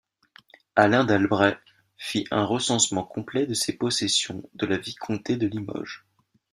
Alain d'Albret fit un recensement complet de ses possessions de la vicomté de Limoges.